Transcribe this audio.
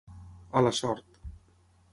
A la sort.